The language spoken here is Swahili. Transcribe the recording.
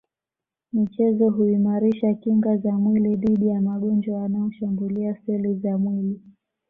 michezo huimarisha kinga za mwili dhidi ya magonjwa yanayo shambulia seli za mwili